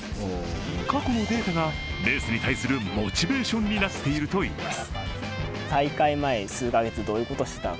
過去のデータがレースに対するモチベーションになっているといいます。